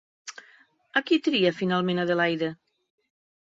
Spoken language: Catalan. A qui tria finalment Adelaide?